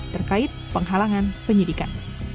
terkait penghalangan pendidikan